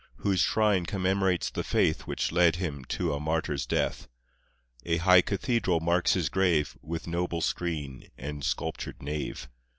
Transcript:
Whose shrine commemorates the faith Which led him to a martyr's death. A high cathedral marks his grave, With noble screen and sculptured nave.